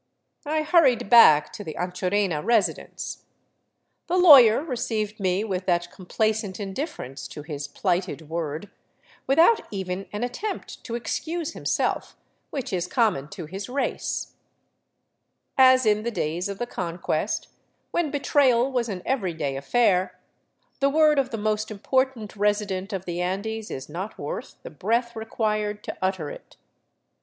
I hurried back to the Ancho rena residence. The lawyer received me with that complacent indif ference to his plighted word, without even an attempt to excuse him self, which is common to his race: As in the days of the Conquest, when betrayal was an everyday affair, the word of the most important resident of the Andes is not worth the breath required to utter it.